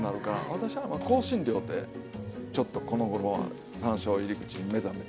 私は香辛料ってちょっとこのごろはさんしょう入り口に目覚めて。